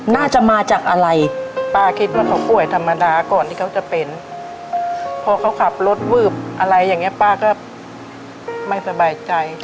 อย่างเงี้ยป้าก็ไม่สบายใจ